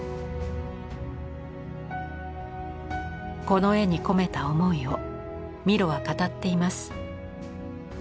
この絵に込めた思いをミロは語っています。